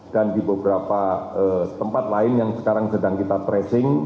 di beberapa tempat lain yang sekarang sedang kita tracing